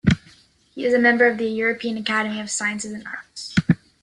He is a member of the European Academy of Sciences and Arts.